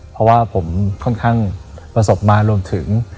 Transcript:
เพราะว่าผมค่อนข้างประสบมารวมถึง